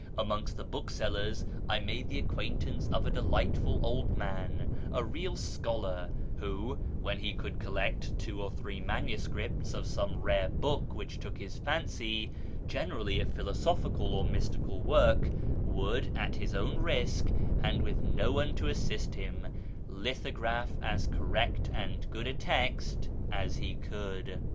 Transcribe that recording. Amongst the booksellers I made the acquaintance of a delightful old man, a real scholar, who, when he could collect two or three manuscripts of some rare book which took his fancy (generally a philosophical or mystical work), would, at his own risk, and with no one to assist him, lithograph as correct and good a text as he could.